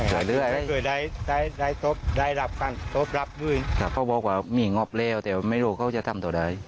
ไม่เคยได้ได้ได้รับกันรับด้วยพ่อบอกว่ามีงบแล้วแต่ไม่รู้เขาจะทำตัวไหน